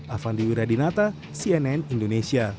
avandi wiradinata cnn indonesia